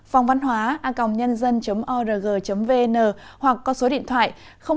phongvănhóa org vn hoặc con số điện thoại hai nghìn bốn trăm ba mươi hai sáu trăm sáu mươi chín năm trăm linh tám